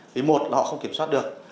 vì một là họ không kiểm soát được